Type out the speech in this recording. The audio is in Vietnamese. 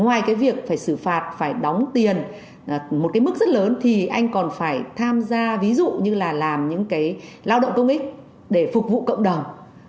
hoặc phải đóng tiền một cái mức rất lớn thì anh còn phải tham gia ví dụ như là làm những cái lao động công ích để phục vụ cộng đồng